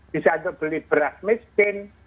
bisa untuk beli beras miskin